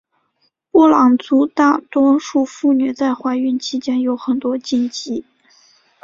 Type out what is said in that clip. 布朗族大多数妇女在怀孕期间有很多禁忌。